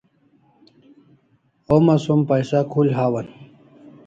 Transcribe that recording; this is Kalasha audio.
Homa som paisa khul hawan